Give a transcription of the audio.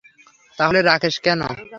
তাহলে রাকেশ কেন?